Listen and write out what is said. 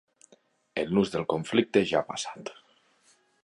El nus del conflicte ja ha passat.